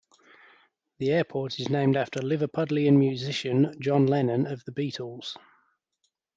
The airport is named after Liverpudlian musician John Lennon of The Beatles.